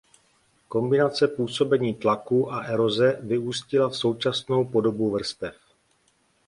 Kombinace působení tlaků a eroze vyústila v současnou podobu vrstev.